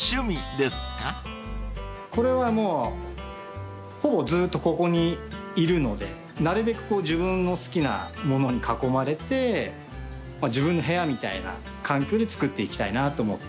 これはもうほぼずっとここにいるのでなるべく自分の好きな物に囲まれて自分の部屋みたいな環境で作っていきたいなと思って。